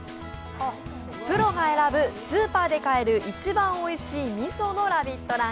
プロが選ぶスーパーで買える、一番おいしいみそのラヴィット！